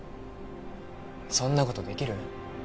そんなことできる？